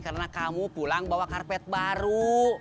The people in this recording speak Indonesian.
karena kamu pulang bawa karpet baru